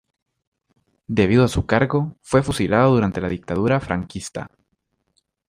Debido a su cargo, fue fusilado durante la Dictadura franquista.